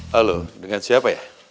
halo dengan siapa ya